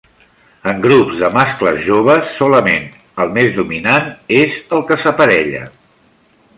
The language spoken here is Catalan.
En grups de mascles joves solament el més dominant és el que s'aparella.